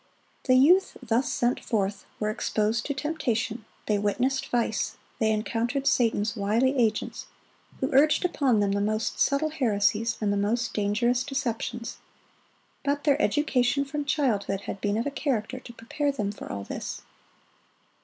The youth thus sent forth were exposed to temptation, they witnessed vice, they encountered Satan's wily agents, who urged upon them the most subtle heresies and the most dangerous deceptions. But their education from childhood had been of a character to prepare them for all this.